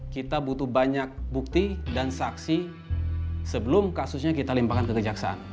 kita butuh banyak bukti dan saksi sebelum kasusnya kita limpahkan ke kejaksaan